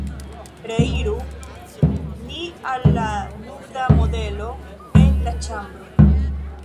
Reiru ni al la nuda modelo en la ĉambro.